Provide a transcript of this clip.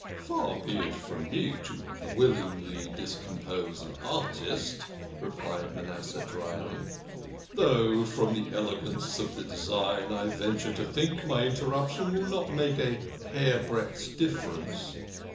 "Far be it from me to willingly discompose an artist," replied Manasseh drily, " though from the elegance of the design, I venture to think my interruption will not make a hair's breadth of difference.